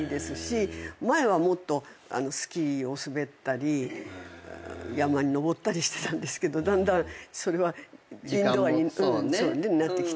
前はもっとスキーを滑ったり山に登ったりしてたんですけどだんだんそれはインドアになってきてしまってますけど。